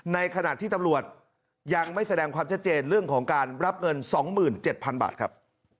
ในขณะที่ตำรวจยังไม่แสดงความชัดเจนเรื่องของการรับเงิน๒๗๐๐๐บาทครับ